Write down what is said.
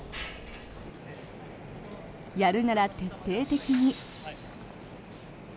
やるなら徹底的に。